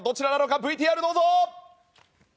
ＶＴＲ、どうぞ！